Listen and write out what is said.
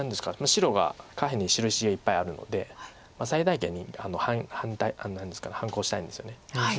白が下辺に白石がいっぱいあるので最大限に何ですか反抗したいんですよね。